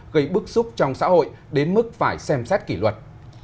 gây bức xúc trong xã hội đến mức phải xem xét kỷ luật